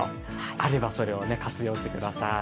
あればそれを活用してください。